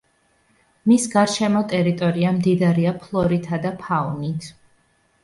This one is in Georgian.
მის გარშემო ტერიტორია მდიდარია ფლორითა და ფაუნით.